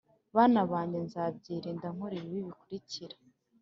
bana banjye nzabyirinda nkora ibi bikurikira